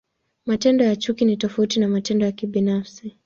Matendo ya chuki ni tofauti na matendo ya kibinafsi.